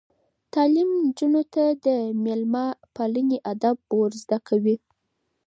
تعلیم نجونو ته د میلمه پالنې آداب ور زده کوي.